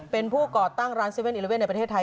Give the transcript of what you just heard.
เป็นผู้ก่อตั้งร้าน๗๑๑ในประเทศไทย